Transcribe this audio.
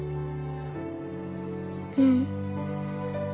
うん。